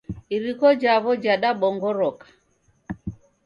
Iriko jawo jadabongoroka